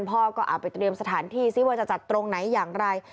พ่อก็เอาไปเตรียมสถานที่ซิว่าจะจัดตรงไหนอย่างไร